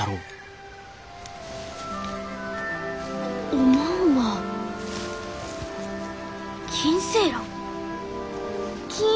おまんはキンセイラン？